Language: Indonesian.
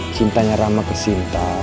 cintanya rama ke sinta